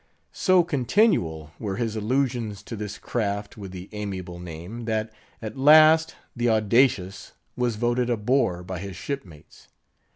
So continual were his allusions to this craft with the amiable name, that at last, the Audacious was voted a bore by his shipmates.